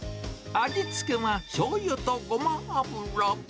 味付けはしょうゆとごま油。